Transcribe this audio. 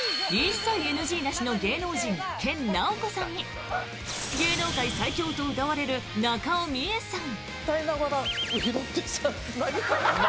一切ＮＧなしの芸能人研ナオコさんに芸能界最強とうたわれる中尾ミエさん。